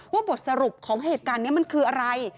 บทสรุปของเหตุการณ์นี้มันคืออะไร